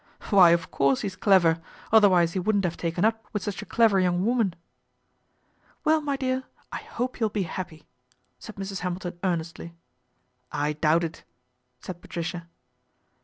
' Why of course he's clever, other wise he wouldn't have taken up with such a clever young woman." ' Well, my dear, I hope you'll be happy," said Mrs. Hamilton earnestly. " I doubt it," said Patricia.